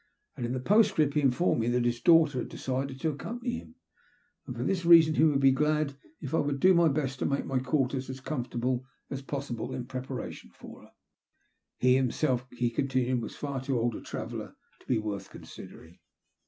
In the post script he informed me that his daughter had decided to accompany him, and for this reason he would be glad if I would do my best to make my quarters as comfortable as possible in preparation for her. He, himself, he continued, was far too old a traveller to be worth considering.